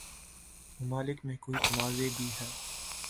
ممالک میں کوئی تنازع بھی ہے